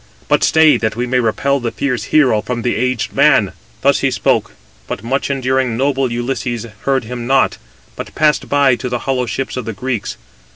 But stay, that we may repel the fierce hero from the aged man." Thus he spoke: but much enduring, noble Ulysses heard him not, but passed by to the hollow ships of the Greeks.